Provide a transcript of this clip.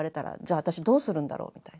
私どうするんだろうみたいな。